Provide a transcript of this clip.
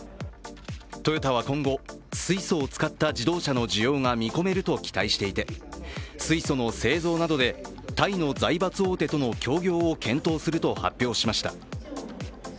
トヨタは今後、水素を使った自動車の需要が見込めると期待していて水素の製造などでタイの財閥大手などの協業を検討すると発表しました。